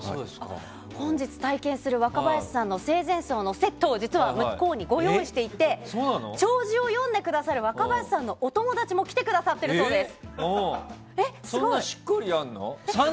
本日体験する若林さんの生前葬のセットを実は、向こうにご用意していて弔辞を読んでくださる若林さんのお友達も来てくださっているそうです。